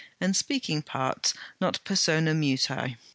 'And speaking parts; not personae mutae.'